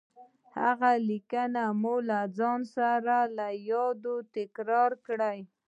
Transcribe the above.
هغه ليکنه مو له ځان سره له يادو تکرار کړئ.